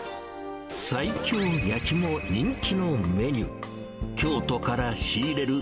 西京焼きも人気のメニュー。